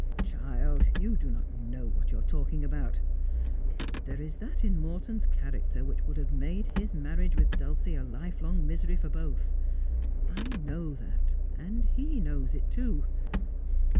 ' Child, you do not know what you are talking about. There is that in Morton's character which would have made his marriage with Dulcie a lifelong misery for both. I know that, and he knows it too.